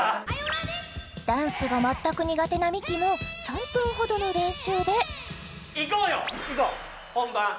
ダンスが全く苦手なミキも３分ほどの練習でいこうよ本番！